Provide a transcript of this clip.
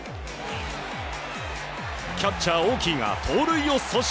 キャッチャー、オーキーが盗塁を阻止。